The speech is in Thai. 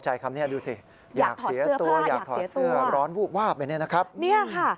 ใช่อยากถอดเสื้อผ้าอยากเสื้อเสื้อร้อนวูบวาบไปเนี่ยนะครับนี่ค่ะ